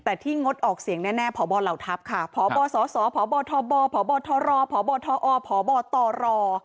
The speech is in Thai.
แต่ที่งดออกเสียงแน่พบเหล่าทัพค่ะพบสสพทบพบทรพบทอพบตร